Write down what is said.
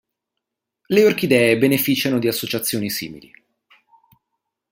Le orchidee beneficiano di associazioni simili.